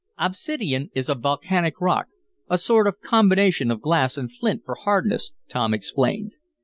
"Obsidian is a volcanic rock a sort of combination of glass and flint for hardness," Tom explained.